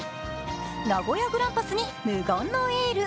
名古屋グランパスに無言のエール。